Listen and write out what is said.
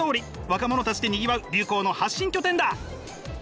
若者たちでにぎわう流行の発信拠点だ！